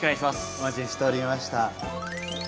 お待ちしておりました。